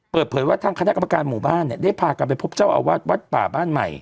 เปิดเผยว่าทางคณะกรรมการหมู่บ้านเนี่ยได้พากันไปพบเจ้าอาวาสวัดป่าบ้านใหม่